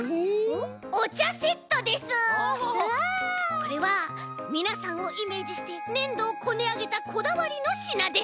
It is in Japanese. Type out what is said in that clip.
これはみなさんをイメージしてねんどをこねあげたこだわりのしなです。